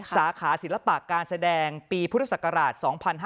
สาขาศิลปะการแสดงปีพุทธศักราช๒๕๕๙